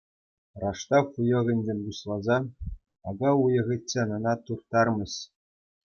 Раштав уйӑхӗнчен пуҫласа ака уйӑхӗччен ӑна турттармӗҫ.